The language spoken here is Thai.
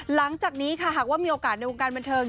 หลังจากนี้ค่ะหากว่ามีโอกาสในวงการบันเทิง